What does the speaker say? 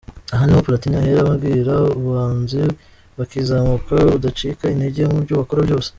Aha niho Pulatini ahera abwira abahanzi bakizamuka kudacika intege mu byo bakora byose.